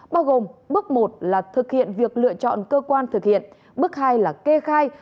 bao gồm bước một là thực hiện việc lựa chọn cơ quan thực hiện bước hai là kê khai